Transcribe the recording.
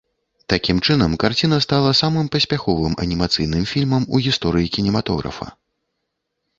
Такім чынам, карціна стала самым паспяховым анімацыйным фільмам у гісторыі кінематографа.